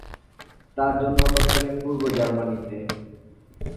তার জন্ম তৎকালীন পূর্ব জার্মানিতে।